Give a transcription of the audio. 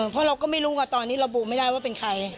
เพราะเราก็ไม่รู้ว่าตอนนี้ระบุไม่ได้ว่าเป็นใคร